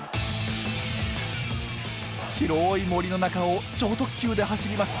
広い森の中を超特急で走ります。